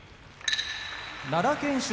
奈良県出